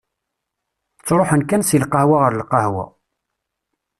Ttruḥen kan si lqahwa ɣer lqahwa.